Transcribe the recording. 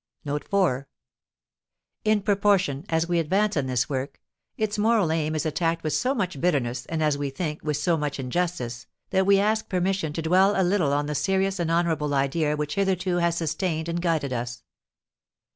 In proportion as we advance in this work, its moral aim is attacked with so much bitterness, and, as we think, with so much injustice, that we ask permission to dwell a little on the serious and honourable idea which hitherto has sustained and guided us.